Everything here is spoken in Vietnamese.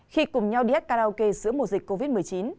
khi cùng nhau đi hát karaoke giữa mùa dịch covid một mươi chín